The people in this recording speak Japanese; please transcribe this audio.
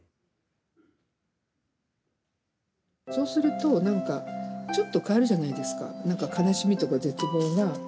そうすると、なんかちょっと変わるじゃないですか悲しみとか絶望が。